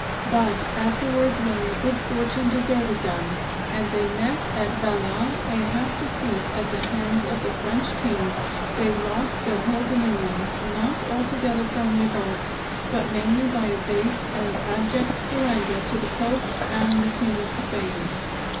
But afterwards, when their good fortune deserted them, and they met at Vailà a half defeat at the hands of the French king, they lost their whole dominions, not altogether from revolt, but mainly by a base and abject surrender to the Pope and the King of Spain.